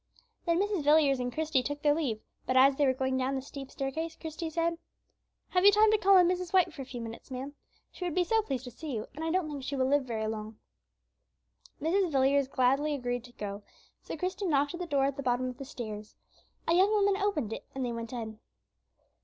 Then Mrs. Villiers and Christie took their leave; but, as they were going down the steep staircase, Christie said, "Have you time to call on Mrs. White for a few minutes, ma'am? She would be so pleased to see you, and I don't think she will live very long." Mrs. Villiers gladly agreed to go; so Christie knocked at the door at the bottom of the stairs. A young woman opened it, and they went in.